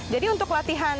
jadi untuk latihan